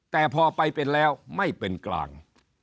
แต่พอไปเป็นแล้วไม่เป็นกลาง